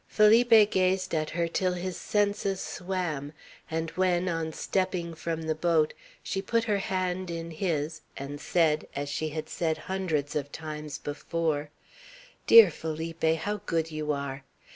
Felipe gazed at her till his senses swam; and when, on stepping from the boat, she put her hand in his, and said, as she had said hundreds of times before, "Dear Felipe, how good you are!"